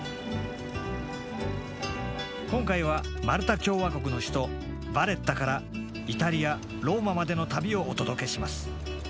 今回は、マルタ共和国の首都ヴァレッタからイタリア・ローマまでの旅をお届けします。